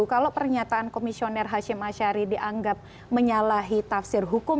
kalau pernyataan komisioner hashim ashari dianggap menyalahi tafsir hukum